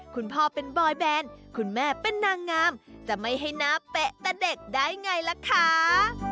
คุณพ่อเป็นบอยแบนคุณแม่เป็นนางงามจะไม่ให้หน้าเป๊ะแต่เด็กได้ไงล่ะคะ